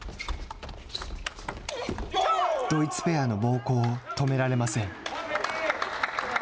ドイツペアの猛攻を止められません。